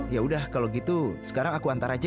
yaudah kalau gitu sekarang aku antar aja ya